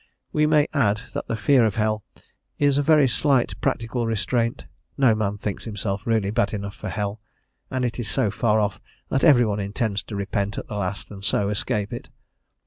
We may add that the fear of hell is a very slight practical restraint; no man thinks himself really bad enough for hell, and it is so far off that every one intends to repent at the last and so escape it.